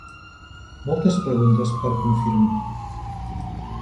Moltes preguntes per confirmar.